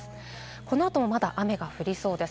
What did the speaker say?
この後もまだ雨が降りそうです。